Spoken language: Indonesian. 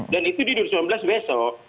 dan itu di dua ribu sembilan belas besok